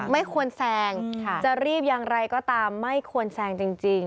ไม่ควรแซงจะรีบอย่างไรก็ตามไม่ควรแซงจริง